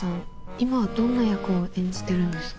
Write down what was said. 今はどんな役を演じてるんですか？